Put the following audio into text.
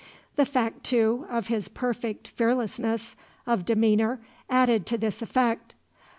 The fact, too, of his perfect fearlessness of demeanor added to this effect.